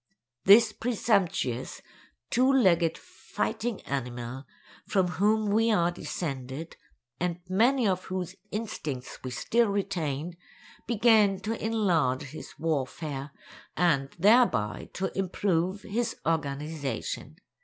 This presumptuous, two legged fighting animal, from whom we are descended, and many of whose instincts we still retain, began to enlarge his warfare, and thereby to improve his organization.